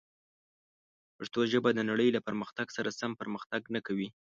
پښتو ژبه د نړۍ له پرمختګ سره سم پرمختګ نه کوي.